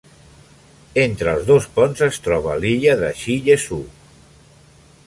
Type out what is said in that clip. Entre els dos ponts es troba l'illa de Shiyezhou.